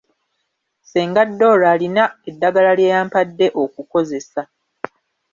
Ssenga Dora alina eddagala lye yampadde okukozesa.